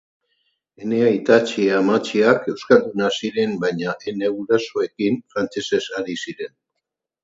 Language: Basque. Ene aitatxi-amatxiak euskaldunak ziren baina ene gurasoekin frantsesez ari ziren.